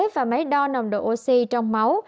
và máy đo nồng độ oxy trong máu